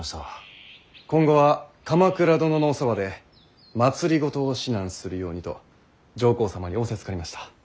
今後は鎌倉殿のおそばで政を指南するようにと上皇様に仰せつかりました。